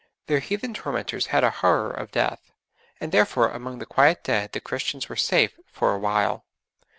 Their heathen tormentors had a horror of death, and therefore among the quiet dead the Christians were safe for a while.